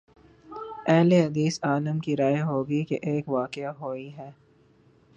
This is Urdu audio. اہل حدیث عالم کی رائے ہو گی کہ ایک واقع ہوئی ہے۔